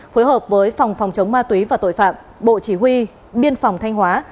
bộ đội biên phòng phòng chống ma túy và tội phạm bộ chỉ huy biên phòng thanh hóa